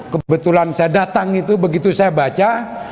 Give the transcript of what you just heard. kebetulan saya datang itu begitu saya baca